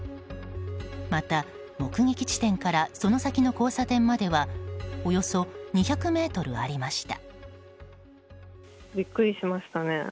また、目撃地点からその先の交差点まではおよそ２００ｍありました。